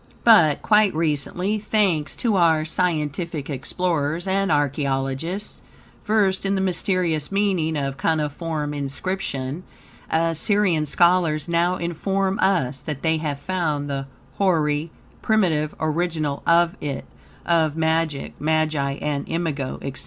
But quite recently, thanks to our scientific explorers and archaeologists, versed in the mysterious meaning of cuniform inscription; Assyrian scholars now inform us that they have found the hoary, primitive original of it, of magic, magi and imago, etc.